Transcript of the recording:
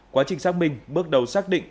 quá trình xác minh bước đầu xác định